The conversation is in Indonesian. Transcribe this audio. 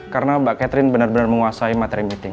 karena mbak catherine bener bener menguasai materi meeting